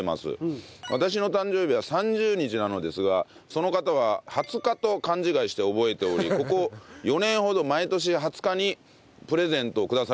私の誕生日は３０日なのですがその方は２０日と勘違いして覚えておりここ４年ほど毎年２０日にプレゼントをくださりました。